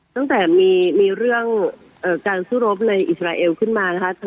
ตั้งแต่มีเรื่องการสู้รบในอิสราเอลขึ้นมานะคะ